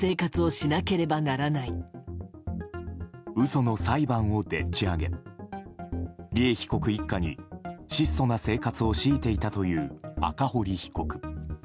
嘘の裁判をでっち上げ利恵被告一家に質素な生活を強いていたという赤堀被告。